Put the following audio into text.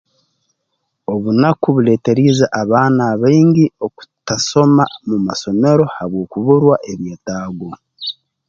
Obunaku buleeteriize abaana abaingi okutasoma mu masomero habw'okuburwa ebyetaago